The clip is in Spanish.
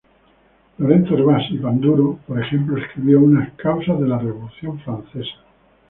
Lorenzo Hervás y Panduro, por ejemplo, escribió unas "Causas de la revolución francesa".